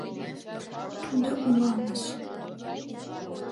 — Тудо уламыс.